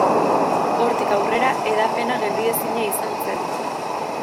Hortik aurrera, hedapena geldiezina izan zen.